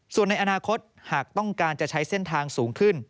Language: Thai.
ส่วนในอนาคตหากต้องการจะใช้เส้นทางสูงขึ้น